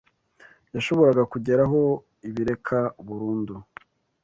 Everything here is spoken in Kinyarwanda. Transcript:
yashoboraga kugeraho ibireka burundu